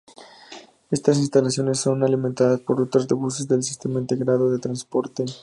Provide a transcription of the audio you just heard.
Estas estaciones son alimentadas por rutas de buses del sistema integrado de transporte.